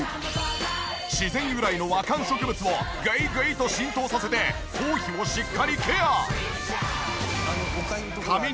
自然由来の和漢植物をグイグイと浸透させて頭皮をしっかりケア！